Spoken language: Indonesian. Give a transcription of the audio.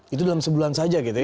itu dalam sebulan saja gitu ya